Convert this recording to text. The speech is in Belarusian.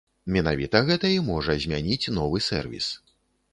Менавіта гэта і можа змяніць новы сэрвіс.